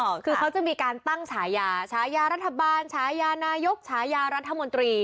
อ๋อค่ะคือเขาจะมีการตั้งฉายาระทบาทฉายานายกฉายารัฐมนตรี